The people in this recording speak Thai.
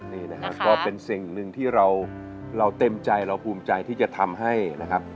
นี่นะครับก็เป็นสิ่งหนึ่งที่เราเต็มใจเราภูมิใจที่จะทำให้นะครับ